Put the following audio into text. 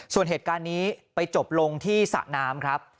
ส่วนเหตุการณ์นี้ไปจบลงที่สระน้ำครับ